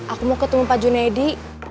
aku mau ketemu pak junaidi